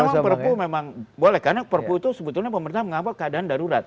memang perpu memang boleh karena perpu itu sebetulnya pemerintah mengapa keadaan darurat